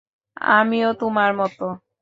আমিও তোমার মতো।